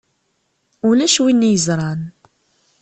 Ulac win i yeẓṛan.